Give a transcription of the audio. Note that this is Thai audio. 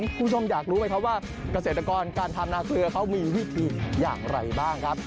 อยากรู้ไหมครับว่าเกษตรกรการทำนาเกลือเขามีวิธีอย่างไรบ้างครับ